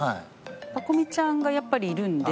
パコ美ちゃんがやっぱりいるんで。